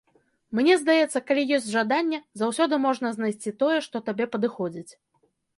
Мне здаецца, калі ёсць жаданне, заўсёды можна знайсці тое, што табе падыходзіць.